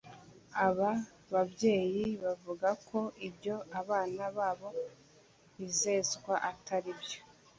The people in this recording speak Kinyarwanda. Aba babyeyi bavuga ko ibyo abana babo bizezwa atari byo